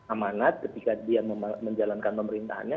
amanat ketika dia menjalankan pemerintahannya